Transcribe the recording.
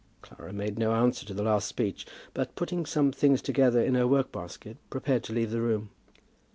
Clara made no answer to the last speech, but, putting some things together in her work basket, prepared to leave the room.